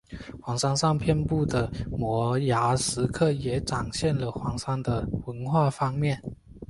黄山上遍布的摩崖石刻也展现了黄山的文化方面。